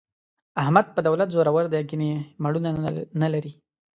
احمد په دولت زورو دی، ګني مېړونه نه لري.